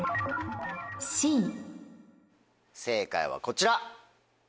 正解はこちら。